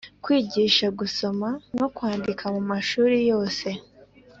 kwigisha gusoma no kwandika mu m’ amashuri yose